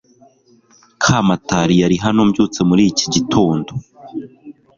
Kamatari yari hano mbyutse muri iki gitondo .